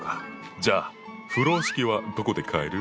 じゃあ風呂敷はどこで買える？